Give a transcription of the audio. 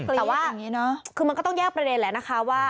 แต่ว่าคือมันก็ต้องแยกประเด็นแหละนะคะว่า